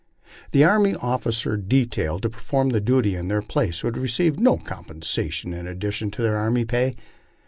The army of ficers detailed to perform duty in their places would receive no compensation in addition to their army pay.